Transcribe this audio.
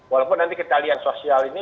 walaupun nanti kita lihat sosial ini